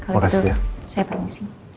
kalau gitu saya permisi